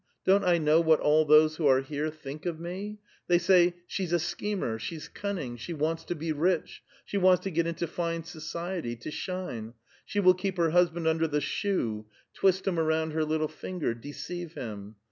don't I know what all those who .'ire here think of me? They say, ' She's a schemer, she's cunning, slie wants to be rich, she wants to get into fine society, to shine ; she will keep her husband under the shoe, twist him around her little finger, deceive him.'